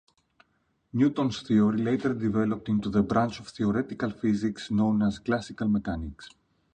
Newton's theory later developed into the branch of theoretical physics known as classical mechanics.